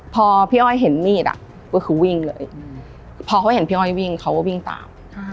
พอพี่อ้อยเห็นมีดก็คือวิ่งเลยพอเขาเห็นพี่อ้อยวิ่งเขาก็วิ่งตาม